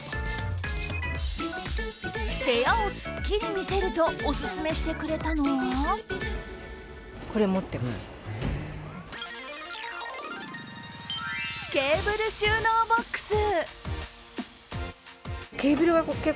部屋をすっきり見せるとオススメしてくれたのはケーブル収納ボックス。